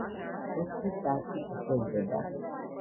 ოთხი საათი გრძელდება.